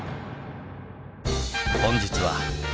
本日は。